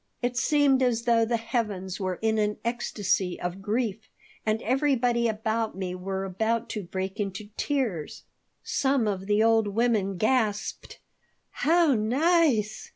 It seemed as though the heavens were in an ecstasy of grief and everybody about me were about to break into tears some of the old women gasped. "How nice!"